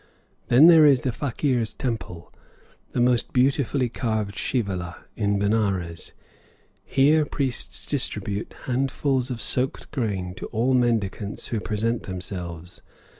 Then there is the fakirs' temple, the most beautifully carved shivala in Benares; here priests distribute handfuls of soaked grain to all mendicants who present themselves.